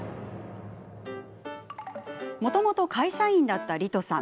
もともと会社員だったリトさん。